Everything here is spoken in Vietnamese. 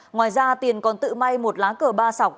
ngoài ra tiền còn tự may một lá cờ ba sọc